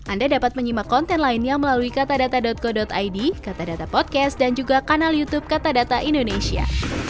anda dapat menyimak konten lainnya melalui katadata co id katadata podcast dan juga kanal youtube katadata indonesia